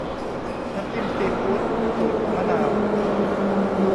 น้ำจิ้มซีฟู้ด สูตรมะนาว